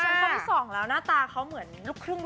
กรีชันครั้งสองแล้วหน้าตาเขาเหมือนลุกครึ่ง